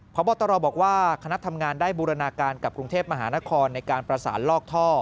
พบตรบอกว่าคณะทำงานได้บูรณาการกับกรุงเทพมหานครในการประสานลอกท่อ